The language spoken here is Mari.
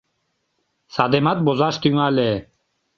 Садемат возаш тӱҥале.